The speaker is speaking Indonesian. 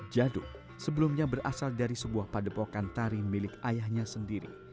jaduk sebelumnya berasal dari sebuah padepokan tari milik ayahnya sendiri